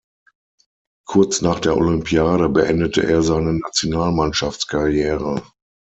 Kurz nach der Olympiade beendete er seine Nationalmannschaftskarriere.